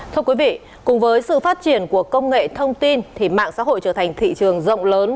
thưa quý vị cùng với sự phát triển của công nghệ thông tin thì mạng xã hội trở thành thị trường rộng lớn